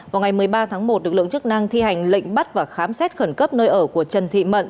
vào ngày một mươi ba tháng một lực lượng chức năng thi hành lệnh bắt và khám xét khẩn cấp nơi ở của trần thị mận